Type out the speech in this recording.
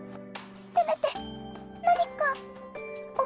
せめて何か。